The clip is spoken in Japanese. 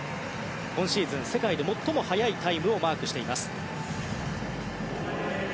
今シーズン、世界で最も早いタイムをマークしています。